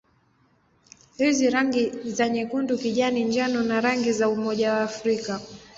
Hizi rangi za nyekundu-kijani-njano ni rangi za Umoja wa Afrika.